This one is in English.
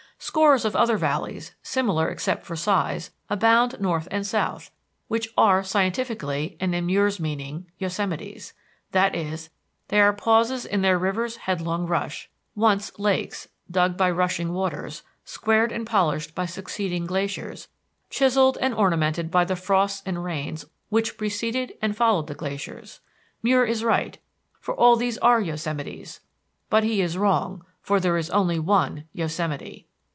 Scores of other valleys, similar except for size, abound north and south, which are, scientifically and in Muir's meaning, Yosemites; that is, they are pauses in their rivers' headlong rush, once lakes, dug by rushing waters, squared and polished by succeeding glaciers, chiselled and ornamented by the frosts and rains which preceded and followed the glaciers. Muir is right, for all these are Yosemites; but he is wrong, for there is only one Yosemite.